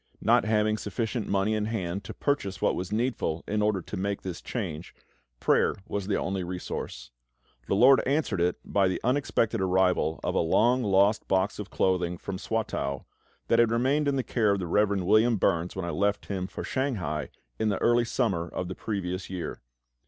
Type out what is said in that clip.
Not having sufficient money in hand to purchase what was needful in order to make this change, prayer was the only resource. The LORD answered it by the unexpected arrival of a long lost box of clothing from Swatow, that had remained in the care of the Rev. William Burns when I left him for Shanghai, in the early summer of the previous year.